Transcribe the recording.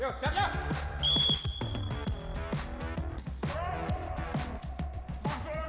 yo siap ya